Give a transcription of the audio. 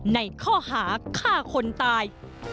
ในข้อหาฆ่าคนตาย